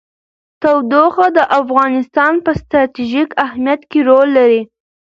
تودوخه د افغانستان په ستراتیژیک اهمیت کې رول لري.